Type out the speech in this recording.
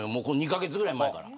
２カ月ぐらい前から。